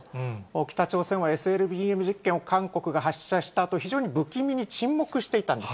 北朝鮮はＳＬＢＭ実験を韓国が発射したあと、非常に不気味に沈黙していたんです。